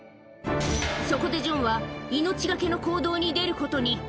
そこでジョンは、命懸けの行動に出ることに。